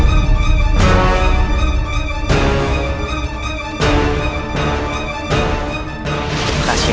terima kasih nek